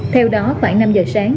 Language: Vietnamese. theo đó khoảng năm giờ sáng